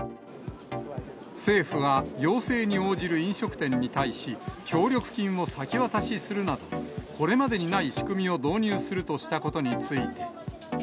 政府は要請に応じる飲食店に対し、協力金を先渡しするなど、これまでにない仕組みを導入するとしたことについて。